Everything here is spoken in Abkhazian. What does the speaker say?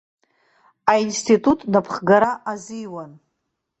Аинститут напхгара азиуан.